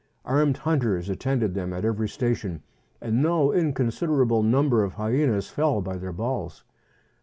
Armed hunters attended them at every station, and no inconsiderable number of hyenas fell by their balls.